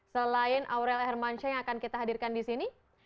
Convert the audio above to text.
selain aurel hermansyah yang akan kita hadirkan disini